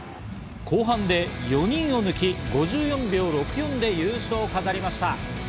後半で４人を抜き、５４秒６４で優勝を飾りました。